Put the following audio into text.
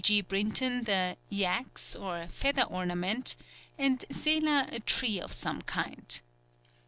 G. Brinton the "Yax or Feather Ornament," and Seler a tree of some kind.